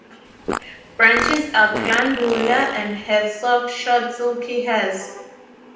Branches are glandular and have soft short silky hairs.